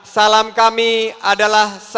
salam kami adalah salam